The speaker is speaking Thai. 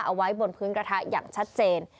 เอาไว้บนพื้นกระทะอย่างชัดเจน